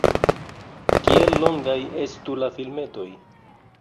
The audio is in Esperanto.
Kiel longaj estu la filmetoj?